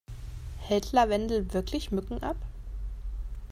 Hält Lavendel wirklich Mücken ab?